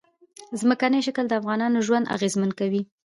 ځمکنی شکل د افغانانو ژوند اغېزمن کوي.